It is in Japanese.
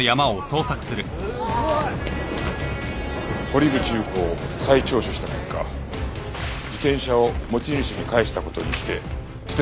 堀口裕子を再聴取した結果自転車を持ち主に返した事にして捨てたそうです。